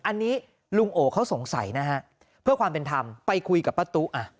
อันนี้ลุงโอเขาสงสัยนะฮะเพื่อความเป็นธรรมไปคุยกับป้าตู้อ่ะ